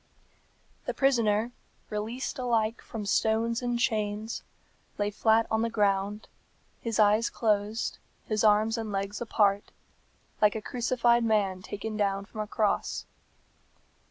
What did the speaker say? The prisoner, released alike from stones and chains, lay flat on the ground, his eyes closed, his arms and legs apart, like a crucified man taken down from a cross.